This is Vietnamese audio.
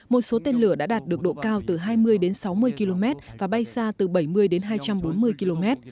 một số tên lửa đã đạt được độ cao từ hai mươi đến sáu mươi km và bay xa từ bảy mươi đến hai trăm bốn mươi km